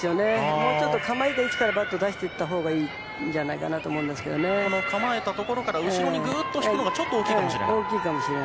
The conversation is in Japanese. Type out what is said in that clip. もうちょっと、構えた位置からバットを出していったほうが構えたところから後ろにぐっと引くのが大きいかもしれない。